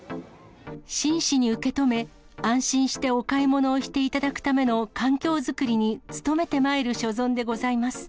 真摯に受け止め、安心してお買い物していただくための環境作りに努めてまいる所存でございます。